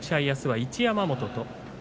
あすは一山本と。